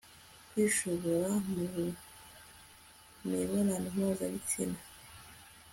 kwishora mu mibonano mpuzabitsina